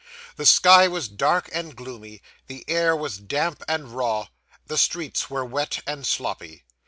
The sky was dark and gloomy, the air was damp and raw, the streets were wet and sloppy.